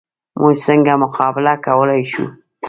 موږ څنګه مقابله کولی شو؟